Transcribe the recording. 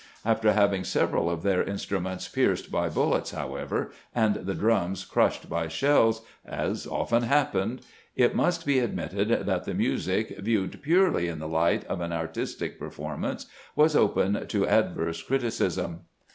After having several of their in struments pierced by bullets, however, and the drums crushed by shells, as often happened, it must be ad mitted that the music, viewed purely in the light of an artistic performance, was open to adverse criticism.